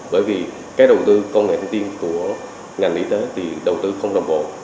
bởi vì cái đầu tư công nghệ thông tin của ngành y tế thì đầu tư không đồng bộ